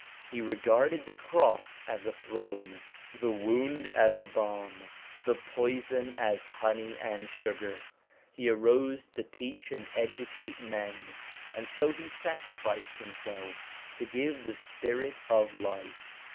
He regarded the cross as a throne, the wound as a balm, the poison as honey and sugar. He arose to teach and educate men, and so he sacrificed himself to give the spirit of life.